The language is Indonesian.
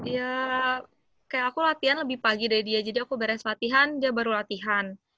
ya kayak aku latihan lebih pagi dari dia jadi aku beres latihan dia baru latihan